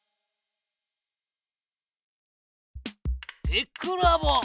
テックラボ。